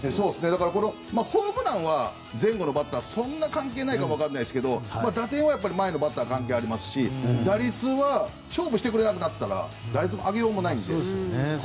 だからホームランは前後のバッターはそんなに関係ないかも分かりませんが打点は前のバッターが関係ありますし打率は勝負をしてくれなくなったら打率を上げようがないので。